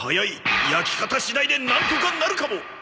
焼き方次第でなんとかなるかも！